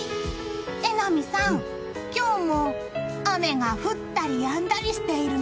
榎並さん、今日も雨が降ったりやんだりしているね。